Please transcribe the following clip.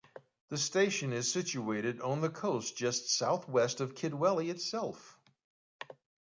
The station is situated on the coast just southwest of Kidwelly itself.